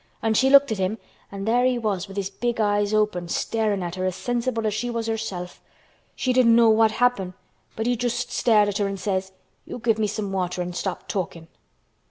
An' she looked at him an' there he was with his big eyes open, starin' at her as sensible as she was herself. She didn't know wha'd happen but he just stared at her an' says, 'You give me some water an' stop talkin'.